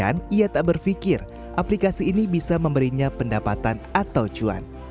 bahkan ia tak berpikir aplikasi ini bisa memberinya pendapatan atau cuan